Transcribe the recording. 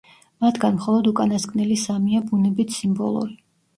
მათგან მხოლოდ უკანასკნელი სამია ბუნებით სიმბოლური.